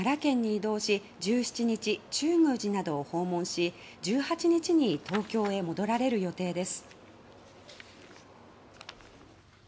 ご夫妻は明後日奈良県に移動し中宮寺などを訪問し１８日に東京へ戻られる予定です。